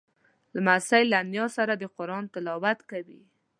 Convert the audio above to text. لمسی له نیا سره د قرآن تلاوت کوي.